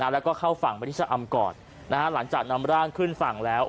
แล้วก็เข้าฝั่งไปที่ชะอำก่อนหลังจากนำร่างขึ้นฝั่งแล้ว